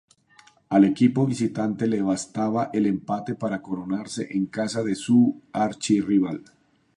Al equipo visitante le bastaba el empate para coronarse en casa de su archirrival.